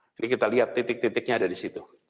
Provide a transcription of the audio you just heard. jadi kita lihat titik titiknya ada di situ